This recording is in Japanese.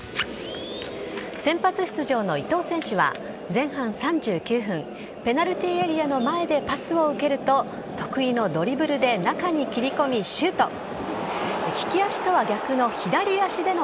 先発出場の伊東選手は前半３９分、ペナルティエリアの前でパスを受けると、得意のドリブルで、中に切り込み、シュート。